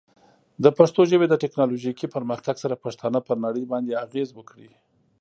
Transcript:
د پښتو ژبې د ټیکنالوجیکي پرمختګ سره، پښتانه پر نړۍ باندې اغېز وکړي.